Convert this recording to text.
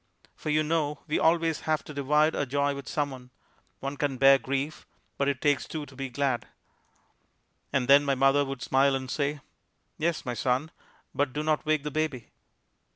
For you know we always have to divide our joy with some one. One can bear grief, but it takes two to be glad. And then my mother would smile and say, "Yes, my son, but do not wake the baby!"